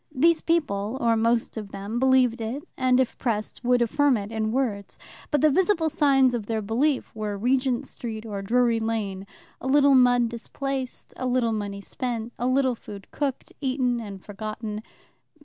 These people, or most of them, believed it, and if pressed, would affirm it in words. But the visible signs of their belief were Regent Street or Drury Lane, a little mud displaced, a little money spent, a little food cooked, eaten, and forgotten.